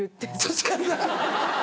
確かにな。